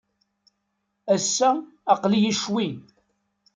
Ass-a, aql-iyi ccwi.